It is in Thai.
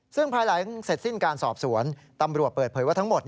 ซึ่งภายหลังเสร็จสิ้นการสอบสวนตำรวจเปิดเผยว่าทั้งหมด